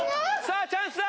さあチャンスだ！